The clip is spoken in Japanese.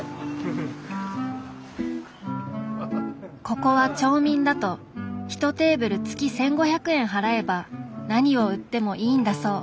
ここは町民だと１テーブル月１，５００円払えば何を売ってもいいんだそう。